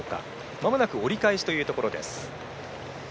まもなく折り返しというところ。